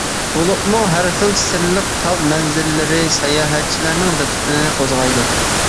بولۇپمۇ ھەر خىل سىرلىق تاغ مەنزىرىلىرى ساياھەتچىلەرنىڭ دىققىتىنى قوزغايدۇ.